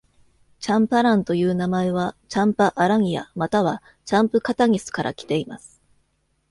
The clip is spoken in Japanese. チャンパランという名前は、「チャンパ・アラニヤ」又は「チャンプカタニス」から来ています。